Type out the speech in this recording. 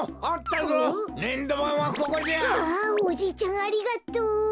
あおじいちゃんありがとう。